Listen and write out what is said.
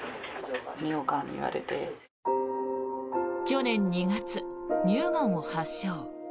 去年２月、乳がんを発症。